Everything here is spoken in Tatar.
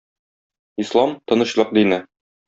Ислам - тынычлык дине.